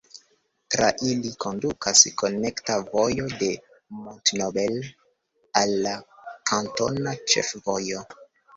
Tra ili kondukas konekta vojo de Mont-Noble al la kantona ĉefvojo.